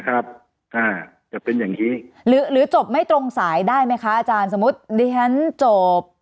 นะครับอ่าจะเป็นอย่างงี้หรือหรือจบไม่ตรงสายได้ไหมคะอาจารย์สมมุติเรียนจบ